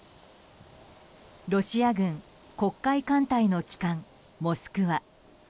ロシア軍黒海艦隊の旗艦「モスクワ」。